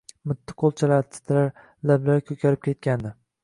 Mitti qo`lchalari titrar, lablari ko`karib ketgandi